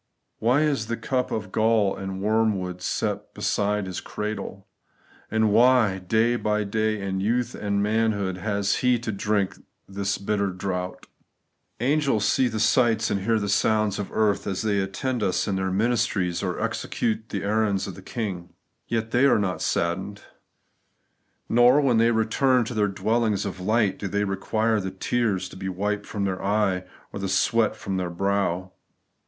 Why is the cup of gall and wormwood set beside His cradle ? and why, day by day, in youth and manhood, has He to drink the bitter draught ? Angels see the sights and hear the sounds of earth, as they attend us in their ministries, or execute the errands of their King : yet they are not saddened ; nor, when they return to their, dwellings of light, do they require the tears to be "vfiped from thfeir eye, or the sweat from their brow.